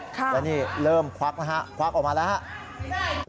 และนี่เริ่มควักนะครับควักออกมาแล้ว